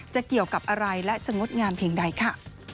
จะเกี่ยวกับอะไรและจะงดงามเพียงใดค่ะ